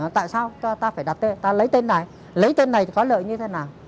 tại sao ta phải đặt tên ta lấy tên này lấy tên này thì có lợi như thế nào